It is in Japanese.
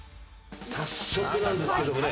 早速なんですけどもね。